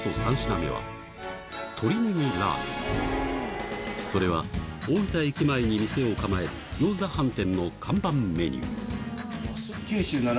ラストそれは大分駅前に店を構える餃子飯店の看板メニュー